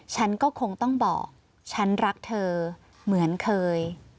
ฉันก็คงต้องบอกฉันรักเธอเหมือนเคย